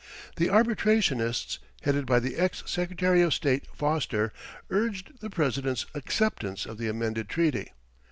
The arbitrationists, headed by ex Secretary of State Foster, urged the President's acceptance of the amended treaty.